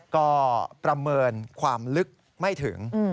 ก็ประเมินความลึกไม่ถึง